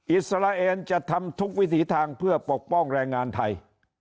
อิสราเอลจะทำทุกวิถีทางเพื่อปกป้องแรงงานไทย